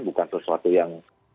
bukan sesuatu yang